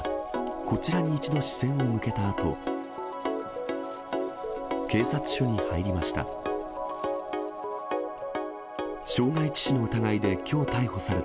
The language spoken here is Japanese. こちらに一度視線を向けたあと、警察署に入りました。